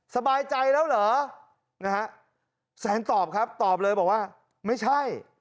สบายใจแล้วเหรอนะฮะแซนตอบครับตอบเลยบอกว่าไม่ใช่